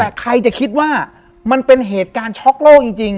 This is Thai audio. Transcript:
แต่ใครจะคิดว่ามันเป็นเหตุการณ์ช็อกโลกจริง